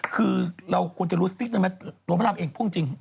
คือเราควรจะรู้สิทธิ์นั้นไหมโรงพยาบาลอังกฤษพรุ่งจริง